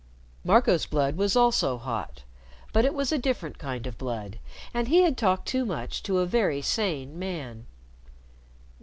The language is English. Marco's blood was also hot, but it was a different kind of blood, and he had talked too much to a very sane man.